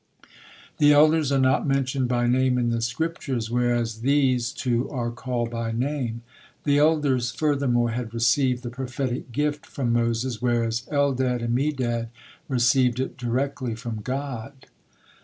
The elders are not mentioned by name in the Scriptures, whereas theses two are called by name. The elders, furthermore, had received the prophetic gift from Moses, whereas Eldad and Medad received it directly from God.